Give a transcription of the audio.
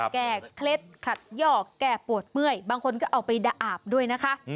เคล็ดขัดยอกแก้ปวดเมื่อยบางคนก็เอาไปดะอาบด้วยนะคะ